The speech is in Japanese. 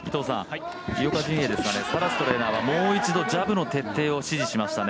井岡陣営ですがサラストレーナーはもう一度、ジャブの徹底を指示しました。